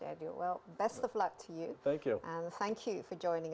terima kasih telah menyertai kami di sini di insight